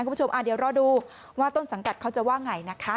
คุณผู้ชมเดี๋ยวรอดูว่าต้นสังกัดเขาจะว่าไงนะคะ